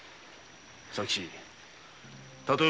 左吉たとえ